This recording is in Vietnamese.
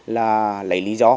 là lấy lý do